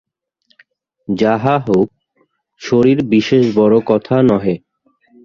যাহা হউক, শরীর বিশেষ বড় কথা নহে।